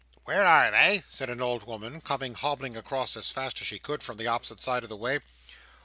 "Where are they?" said an old woman, coming hobbling across as fast as she could from the opposite side of the way.